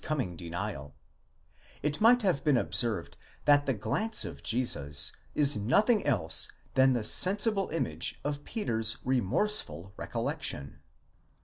coming denial ; it might have been observed that the glance of Jesus is nothing else than the sensible image of Peter's remorseful recollection.